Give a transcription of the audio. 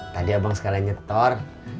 tadi abang sekalian nyetor